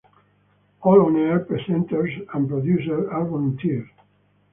All on-air presenters and producers are volunteers.